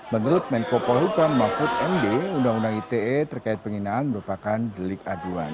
menurut menko polhukam mahfud md undang undang ite terkait penghinaan merupakan delik aduan